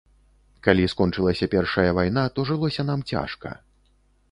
Калі скончылася першая вайна, то жылося нам цяжка.